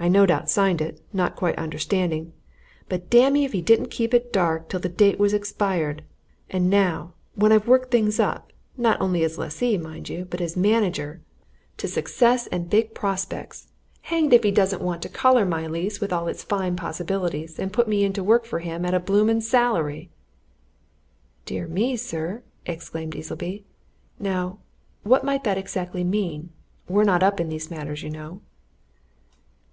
I no doubt signed it, not quite understanding but damme if he didn't keep it dark till the date was expired! And now, when I've worked things up, not only as lessee, mind you, but as manager to success and big prospects, hanged if he doesn't want to collar my lease with all its fine possibilities, and put me into work for him at a blooming salary!" "Dear me, sir!" exclaimed Easleby. "Now what might that exactly mean? We're not up in these matters, you know."